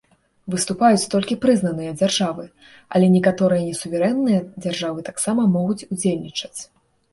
Выступаюць толькі прызнаныя дзяржавы, але некаторыя не суверэнныя дзяржавы таксама могуць удзельнічаць.